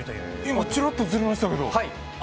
今、ちらっと映りましたけど。